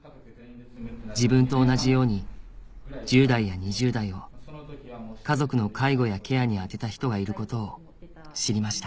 自分と同じように１０代や２０代を家族の介護やケアにあてた人がいることを知りました